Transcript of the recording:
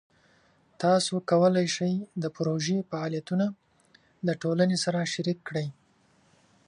تاسو کولی شئ د پروژې فعالیتونه د ټولنې سره شریک کړئ.